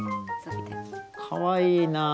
かわいいな。